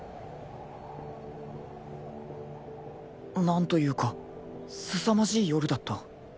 ［何というかすさまじい夜だった］